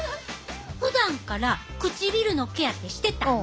ふだんから唇のケアってしてたん？